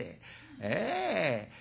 ええ？